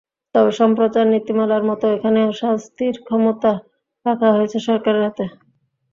তবে সম্প্রচার নীতিমালার মতো এখানেও শাস্তির ক্ষমতা রাখা হয়েছে সরকারের হাতে।